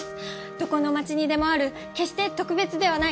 どこの街にでもある決して特別ではない。